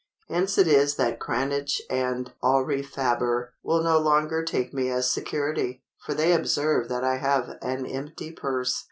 Hence it is that Cranach and Aurifaber will no longer take me as security, for they observe that I have an empty purse.